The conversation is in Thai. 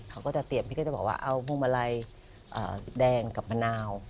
เขาก็จะเตรียมพี่ก็จะบอกว่าเอาพวงมาลัยแดงกับมะนาว